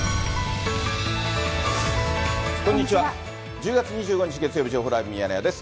１０月２５日月曜日、情報ライブミヤネ屋です。